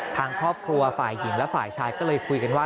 ทางครอบครัวฝ่ายหญิงและฝ่ายชายก็เลยคุยกันว่า